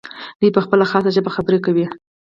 دوی په خپله خاصه ژبه خبرې کوي.